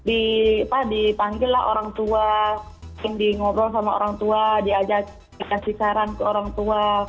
itu dipanggil lah orang tua mungkin di ngobrol sama orang tua dia kasih saran ke orang tua